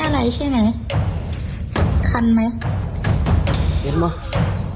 ผู้ชายตัวสูงแล้วทีนี้ก็เจอผู้หญิงแงบลิ้มใส่หนึ่ง